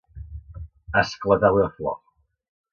Esclatar una flor.